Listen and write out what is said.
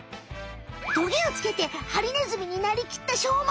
トゲをつけてハリネズミになりきったしょうま。